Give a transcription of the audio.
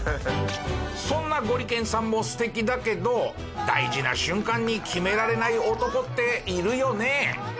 そんなゴリけんさんも素敵だけど大事な瞬間に決められない男っているよね。